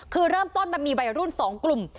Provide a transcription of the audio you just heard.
คือเริ่มต้นมันมีวัยรุ่น๒กลุ่ม